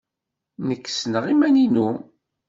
Nekk ssneɣ iman-inu.